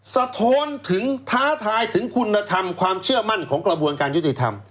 สะท้อนถึงท้าทายถึงคุณธรรมความเชื่อมั่นของกระบวนการยุติธรรม